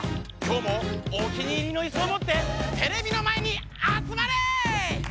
今日もお気に入りのイスをもってテレビの前にあつまれ！